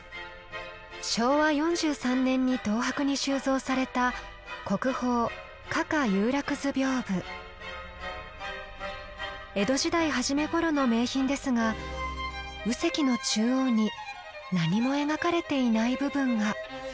昭和４３年に東博に収蔵された江戸時代初めごろの名品ですが右隻の中央に何も描かれていない部分が。